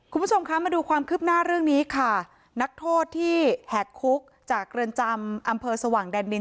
คุณผู้ชมคะมาดูความคืบหน้าเรื่องนี้ค่ะนักโทษที่แหกคุกจากเรือนจำอำเภอสว่างแดนดิน